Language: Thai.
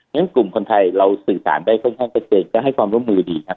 ฉะนั้นกลุ่มคนไทยเราสื่อสารได้ค่อนข้างชัดเจนก็ให้ความร่วมมือดีครับ